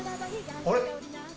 あれ。